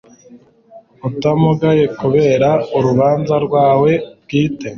utamugaye kubera urubanza rwawe bwite